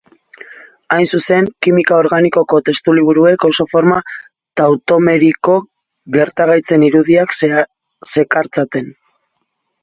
Hain zuzen, kimika organikoko testuliburuek oso forma tautomeriko gertagaitzen irudiak zekartzaten.